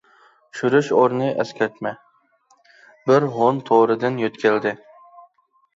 چۈشۈرۈش ئورنى ئەسكەرتمە:بىر ھون تورىدىن يۆتكەلدى.